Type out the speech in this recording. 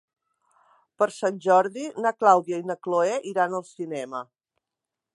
Per Sant Jordi na Clàudia i na Cloè iran al cinema.